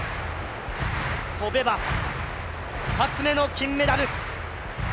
跳べば、２つ目の金メダル。